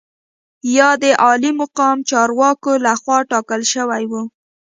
یا د عالي مقام چارواکو لخوا ټاکل شوي وو.